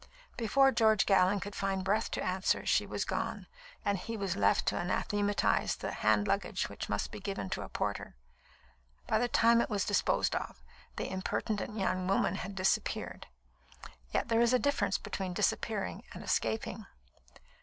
Before George Gallon could find breath to answer, she was gone, and he was left to anathematise the hand luggage which must be given to a porter. By the time it was disposed of, the impertinent young woman had disappeared. Yet there is a difference between disappearing and escaping.